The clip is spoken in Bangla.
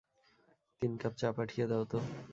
তিন কাপ চা পাঠিয়ে দাও তো।